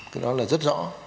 cái đó là rất rõ